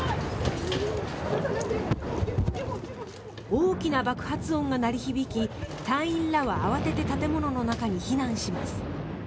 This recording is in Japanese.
大きな爆発音が鳴り響き隊員らは慌てて建物の中に避難します。